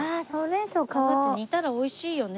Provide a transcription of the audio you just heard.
カブって煮たらおいしいよね。